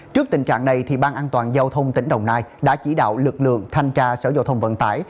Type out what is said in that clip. trước tình trạng này ban an toàn giao thông tỉnh đồng nai đã chỉ đạo lực lượng thanh tra sở giao thông vận tải